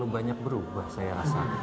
banyak berubah saya rasa